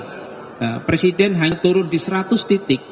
jadi kemudian presiden hanya turun di seratus titik